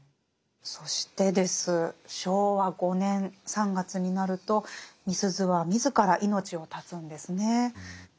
そしてです昭和５年３月になるとみすゞは自ら命を絶つんですね。